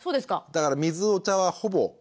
だから水お茶はほぼ。